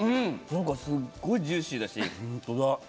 なんかすっごいジューシーだ本当だ。